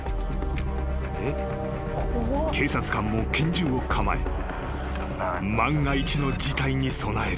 ［警察官も拳銃を構え万が一の事態に備える］